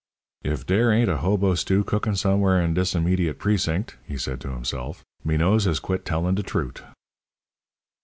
"If dere ain't a hobo stew cookin' somewhere in dis immediate precinct," he said to himself, "me nose has quit tellin' de trut'."